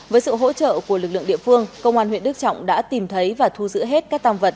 với sự hỗ trợ của lực lượng địa phương công an huyện đức trọng đã tìm thấy và thu giữ hết các tàm vật